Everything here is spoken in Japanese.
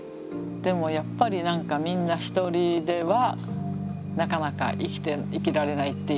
でもやっぱり何かみんな一人ではなかなか生きられないっていうか。